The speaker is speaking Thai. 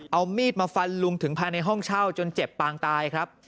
เอามีดมาฟันลุงถึงภายในห้องเช่าจนเจ็บปางตายครับ